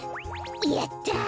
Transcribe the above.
やった！